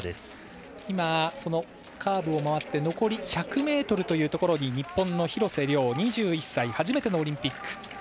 今、カーブを回って残り１００ｍというところに日本の廣瀬峻、２１歳初めてのオリンピック。